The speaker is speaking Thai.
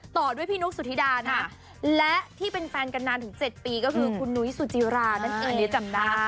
ต่อด้วยพี่นุ๊กสุธิดานะและที่เป็นแฟนกันนานถึง๗ปีก็คือคุณนุ้ยสุจิรานั่นเองจำได้